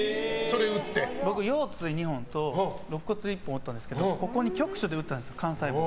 僕、腰椎２本と肋骨１本負ったんですけど局所で打ったんです、幹細胞。